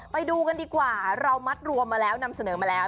ไปดูกันดีกว่าเรามัดรวมมาแล้วนำเสนอมาแล้ว